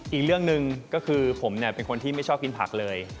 อีกเรื่องหนึ่งก็คือผมเป็นคนที่ไม่ชอบกินผักเลย